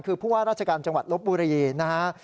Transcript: คือผู้ว่าราชการจังหวัดลบบุรีนะฮะ